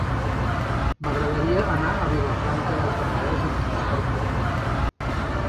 M'agradaria anar a Vilafranca del Penedès amb trasport públic.